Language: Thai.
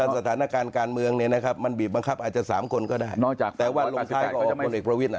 สถานการณ์การเมืองมันบีบบังคับอาจจะ๓คนก็ได้แต่ว่าลงท้ายก็ออกคนอีกประวิษฐ์